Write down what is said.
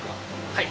はい。